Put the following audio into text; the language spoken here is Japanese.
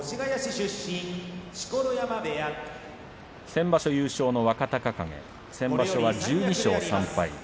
先場所、優勝の若隆景先場所は１２勝３敗